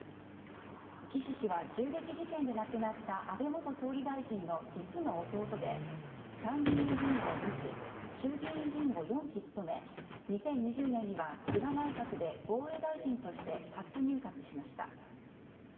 岸氏は銃撃事件で亡くなった安倍元総理大臣の実の弟で、参議院議員を２期衆議院議員を４期務め２０２０年には菅内閣で防衛大臣として初入閣しました。